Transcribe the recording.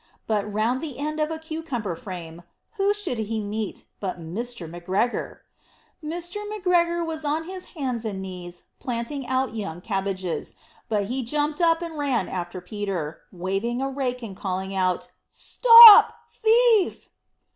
But round the end of a cucumber frame, whom should he meet but Mr. McGregor! Mr. McGregor was on his hands and knees planting out young cabbages, but he jumped up and ran after Peter, waving a rake and calling out, "Stop thief!"